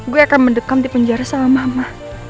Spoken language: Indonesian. gue akan mendekam di penjara sama mama